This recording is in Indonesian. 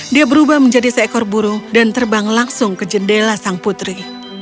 dia berubah menjadi seekor burung dan terbang langsung ke jendela sang putri